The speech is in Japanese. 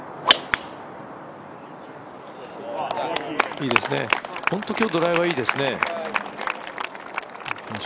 いいですね、本当に今日はドライバーいいですね。